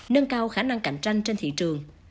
nâng cao khả năng cạnh tranh trên thị trường